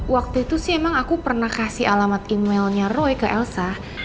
waktu itu sih emang aku pernah kasih alamat emailnya roy ke elsa